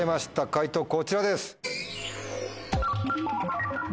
解答こちらです。